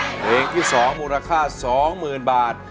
เพลงที่๒มูลค่า๒๐๐๐บาท